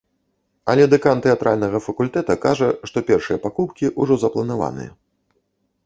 Але дэкан тэатральнага факультэта кажа, што першыя пакупкі ўжо запланаваныя.